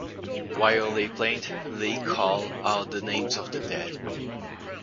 While they plant, they call out the names of the dead.